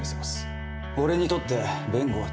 俺にとって弁護は治療だ。